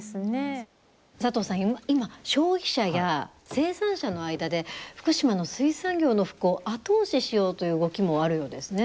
佐藤さん、今、消費者や生産者の間で、福島の水産業の復興を後押ししようという動きもあるようですね。